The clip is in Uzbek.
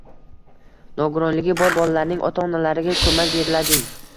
Nogironligi bor bolalarning ota-onalariga ko‘mak berilading